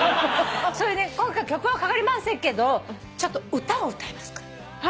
それで今回曲はかかりませんけど歌を歌いますから。